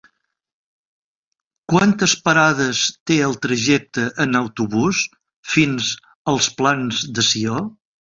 Quantes parades té el trajecte en autobús fins als Plans de Sió?